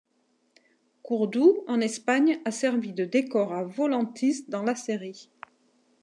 Cordoue, en Espagne, a servi de décor à Volantis dans la série.